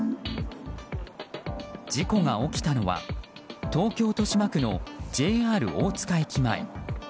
事故が起きたのは東京・豊島区のＪＲ大塚駅前。